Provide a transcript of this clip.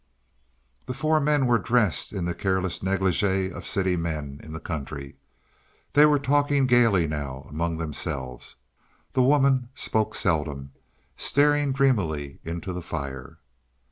The four men were dressed in the careless negligee of city men in the country. They were talking gaily now among themselves. The woman spoke seldom, staring dreamily into the fire.